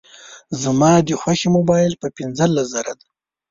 زما د خوښي موبایل په پینځلس زره دی